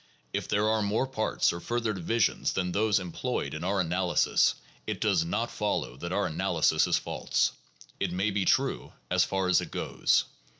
If there are more parts or further divisions than those employed in our analysis, it does not follow that our analysis is false : it may be true as far as it goes.